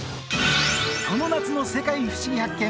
この夏の「世界ふしぎ発見！」